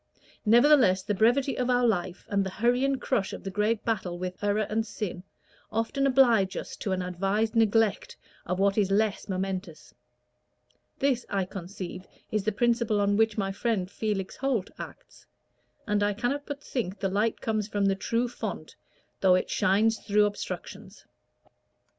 Nevertheless, the brevity of our life, and the hurry and crush of the great battle with error and sin, often oblige us to an advised neglect of what is less momentous. This, I conceive, is the principle on which my friend Felix Holt acts; and I cannot but think the light comes from the true fount, though it shines through obstructions."